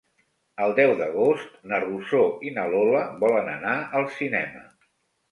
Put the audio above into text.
El deu d'agost na Rosó i na Lola volen anar al cinema.